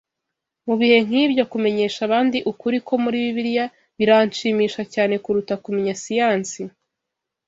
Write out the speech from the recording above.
Mu bihe nk’ibyo, kumenyesha abandi ukuri ko muri Bibiliya biranshimisha cyane kuruta kumenya siyansi